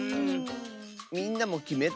みんなもきめた？